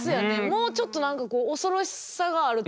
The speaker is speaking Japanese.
もうちょっと何かこう恐ろしさがあるというか。